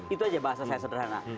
itu aja bahasa saya sederhana